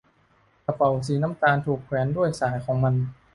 กระเป๋าหนังสีน้ำตาลถูกแขวนด้วยสายของมัน